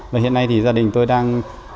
và hiện nay thì gia đình tôi đang